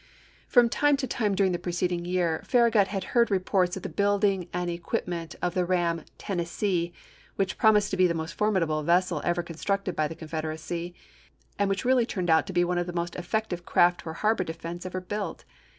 From time to time during the preceding year, Far ragut had heard reports of the building and equip ment of the ram Tennessee, which promised to be the most formidable vessel ever constructed by the Confederacy, and which really turned out to be one of the most effective craft for harbor defense ever built.